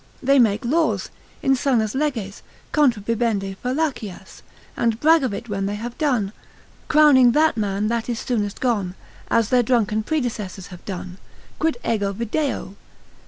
They make laws, insanas leges, contra bibendi fallacias, and brag of it when they have done, crowning that man that is soonest gone, as their drunken predecessors have done, —quid ego video?